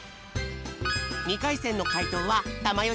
２かいせんのかいとうはたまよ